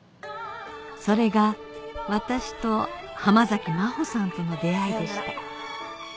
それが私と浜崎マホさんとの出会いでした